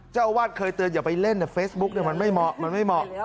เจ้าอาวาสเคยเตือนอย่าไปเล่นแต่เฟซบุ๊กมันไม่เหมาะมันไม่เหมาะ